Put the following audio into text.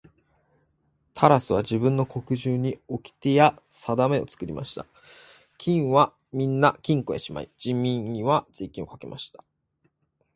タラスは自分の国中におきてやさだめを作りました。金はみんな金庫へしまい、人民には税金をかけました。